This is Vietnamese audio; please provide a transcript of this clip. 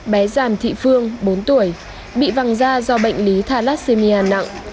bé giàn thị phương bốn tuổi bị văng da do bệnh lý thalassemia nặng